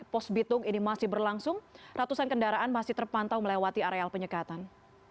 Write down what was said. pos bitung ini masih berlangsung ratusan kendaraan masih terpantau melewati areal penyekatan